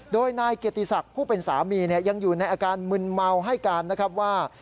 โดยนายเกียรติศักดิ์ผู้เป็นสามียังอยู่ในอาการมึนเมาให้การนะครับว่า